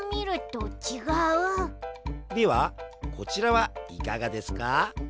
ではこちらはいかがですか？